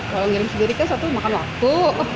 kalau ngirim sendiri kan satu makan waktu